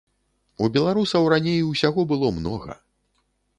У беларусаў раней усяго было многа.